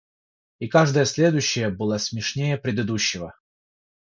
и каждое следующее было смешнее предыдущего.